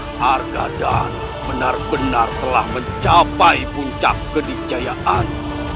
harga dana benar benar telah mencapai puncak kebijayaan